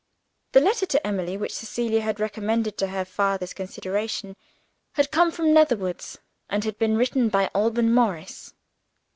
The letter to Emily which Cecilia had recommended to her father's consideration, had come from Netherwoods, and had been written by Alban Morris.